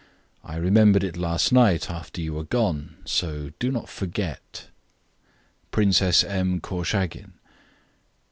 I remembered it last night after you were gone, so do not forget. Princess M. Korchagin.